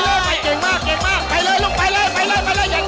เยี่ยมมาก